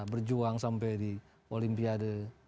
berjuang sampai di olimpiade